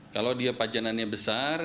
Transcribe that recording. kalau dia pajanannya besar